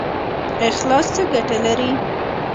اخلاص څه ګټه لري؟